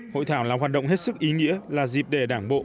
hội thảo là hoạt động hết sức ý nghĩa là dịp để đảng bộ